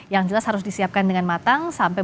yang jelas harus disiapkan dengan matang sampai